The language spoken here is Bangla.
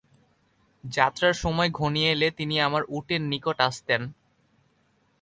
যাত্রার সময় ঘনিয়ে এলে তিনি আমার উটের নিকট আসতেন।